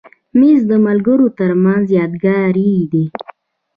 مېز د ملګرو تر منځ یادګاري دی.